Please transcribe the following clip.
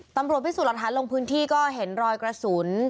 ตำรวจพี่สุรทัศน์ลงพื้นที่ก็เห็นรอยกระสุน